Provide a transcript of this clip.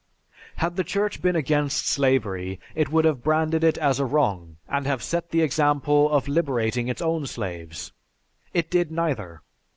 "Had the Church been against slavery it would have branded it as a wrong, and have set the example of liberating its own slaves. It did neither.